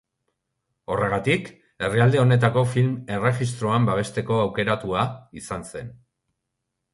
Horregatik, herrialde honetako Film Erregistroan babesteko aukeratua izan zen.